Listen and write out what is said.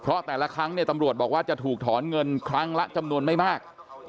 เพราะแต่ละครั้งเนี่ยตำรวจบอกว่าจะถูกถอนเงินครั้งละจำนวนไม่มาก